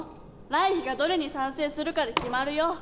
来緋がどれに賛成するかで決まるよ！